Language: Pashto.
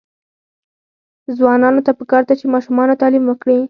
ځوانانو ته پکار ده چې، ماشومانو تعلیم ورکړي.